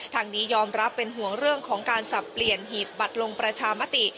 ทางนี้ยอมรับเป็นห่วงเรื่องของการสับเปลี่ยนหีบบัตรลงประชามติ